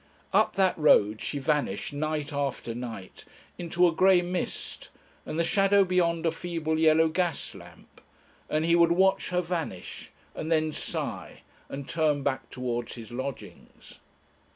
Up that road she vanished night after night, into a grey mist and the shadow beyond a feeble yellow gas lamp, and he would watch her vanish, and then sigh and turn back towards his lodgings.